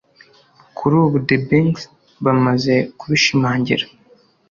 Kuri ubu The Benqs bamaze kubishimangira